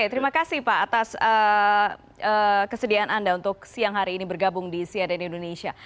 terima kasih pak atas kesediaan anda untuk siang hari ini bergabung di cnn indonesia